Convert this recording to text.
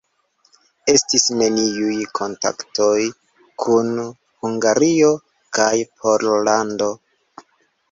Estis neniuj kontaktoj kun Hungario kaj Pollando.